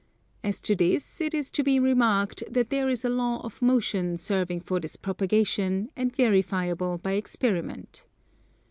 As to this it is to be remarked that there is a law of motion serving for this propagation, and verifiable by experiment.